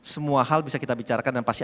semua hal bisa kita bicarakan dan pasti